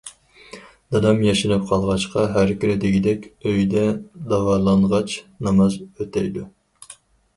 دادام ياشىنىپ قالغاچقا ھەر كۈنى دېگۈدەك ئۆيدە داۋالانغاچ ناماز ئۆتەيدۇ.